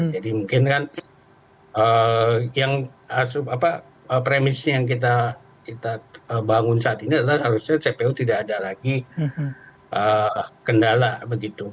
jadi mungkin kan yang asal apa premisnya yang kita bangun saat ini adalah seharusnya cpu tidak ada lagi kendala begitu